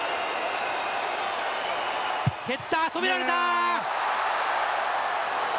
蹴った、止められた。